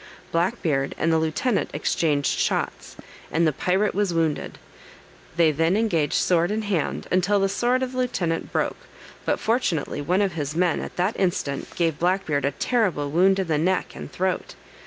Black Beard and the lieutenant exchange shots, and the pirate was wounded; they then engaged sword in hand, until the sword of the lieutenant broke, but fortunately one of his men at that instant gave Black Beard a terrible wound in the neck and throat.